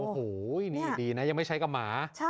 โอ้โหนี่ดีนะยังไม่ใช่กับหมา